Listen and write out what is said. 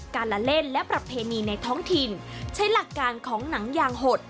การละเล่นและประเพณีในท้องถิ่นใช้หลักการของหนังยางหด